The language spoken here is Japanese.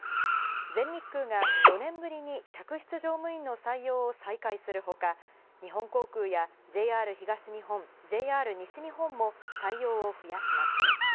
全日空が４年ぶりに客室乗務員の採用を再開するほか、日本航空やＪＲ東日本、ＪＲ西日本も採用を増やします。